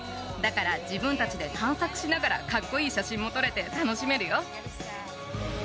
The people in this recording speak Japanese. だから自分たちで探索しながらかっこいい写真も撮れて楽しめるよ。